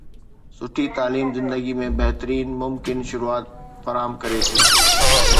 سٺي تعليم زندگي ۾ بهترين ممڪن شروعات فراهم ڪري ٿي